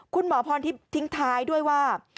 คุณหมอพรทิ้งท้ายด้วยว่า